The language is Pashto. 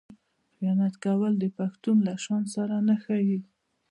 خیانت کول د پښتون له شان سره نه ښايي.